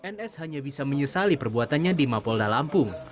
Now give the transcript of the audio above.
n s hanya bisa menyesali perbuatannya di mapolda lampung